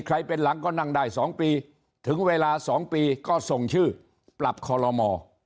ใครเป็นหลังก็นั่งได้สองปีถึงเวลาสองปีก็ส่งชื่อปรับคลม